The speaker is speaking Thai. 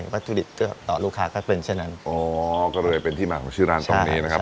วัตถุดิบก็ต่อลูกค้าก็เป็นเช่นนั้นอ๋อก็เลยเป็นที่มาของชื่อร้านตรงนี้นะครับ